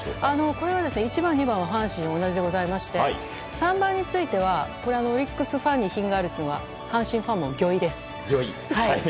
これは１番、２番は阪神も同じでございまして３番についてはオリックスファンに品があるというのは阪神ファンも御意です。